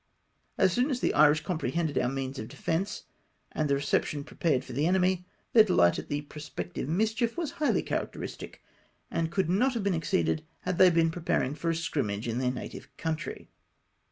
As soon as the Irish comprehended our means of defence, and the reception prepared for the enemy, their dehght at the prospective mischief was highly characteristic, and coiJd not have been exceeded had they been preparing for a " scrimmage " in their native country.